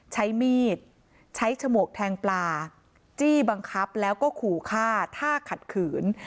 ใช้มีดใช้ฉมวกแทงปลาจี้บังคับแล้วก็ขู่ฆ่าถ้าขัดขืน